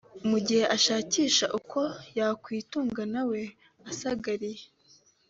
mu gihe ashakisha uko yakwitunga ntawe asagariye